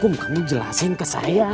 bum kamu jelasin ke saya